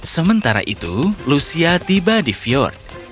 sementara itu lucia tiba di vior